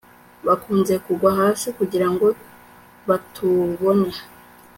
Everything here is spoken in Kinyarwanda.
bakunze kugwa hasi kugirango batubone